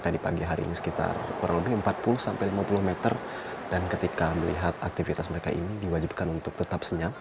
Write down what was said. dan ketika melihat aktivitas mereka ini diwajibkan untuk tetap senyap